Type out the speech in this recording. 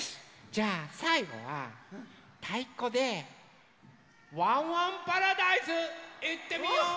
じゃあさいごはたいこで「ワンワンパラダイス」いってみよう！